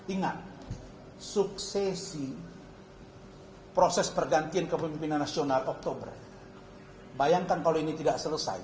ingat suksesi proses pergantian kepemimpinan nasional oktober bayangkan kalau ini tidak selesai